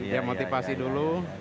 iya motivasi dulu